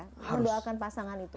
mendoakan pasangan itu